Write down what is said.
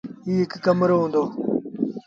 ائيٚݩ هڪڙو ڪمرو هُݩدو ۔